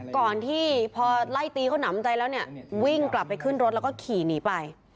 ก่อนที่พอไล่ตีเขาหนำใจแล้วเนี่ยวิ่งกลับไปขึ้นรถแล้วก็ขี่หนีไป